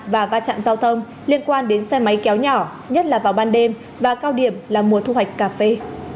và va chạm giao thông liên quan đến xe máy kéo nhỏ nhất là vào ban đêm và cao điểm là mùa thu hoạch cà phê